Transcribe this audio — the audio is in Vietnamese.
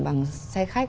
bằng xe khách